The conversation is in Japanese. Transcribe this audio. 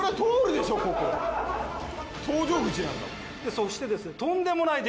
そしてですね